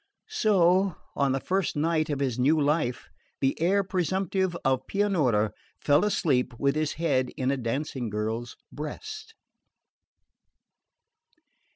So, on the first night of his new life, the heir presumptive of Pianura fell asleep with his head in a dancing girl's breast.